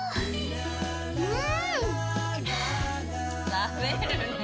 食べるねぇ。